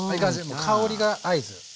もう香りが合図。